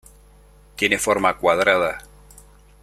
Tiene forma cuadrada.